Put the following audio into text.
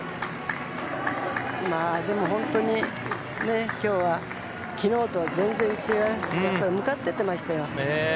本当に、今日は昨日と全然違うというか向かっていってましたよ。